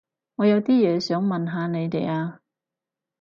我有啲嘢想問下你哋啊